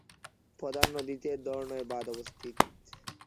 প্রধান নদীতে ধর্নোয় বাঁধ অবস্থিত।